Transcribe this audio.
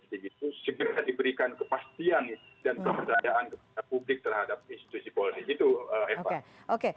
segera diberikan kepastian dan pemberdayaan kepada publik terhadap institusi politik